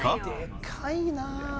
でかいなあ！